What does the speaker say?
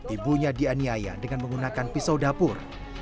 ibunya dianiaya dengan menggunakan pisau dapur